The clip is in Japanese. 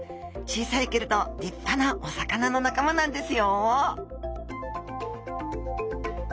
小さいけれど立派なお魚の仲間なんですよ